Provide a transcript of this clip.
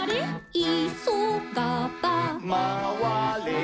「いそがば」「まわれ？」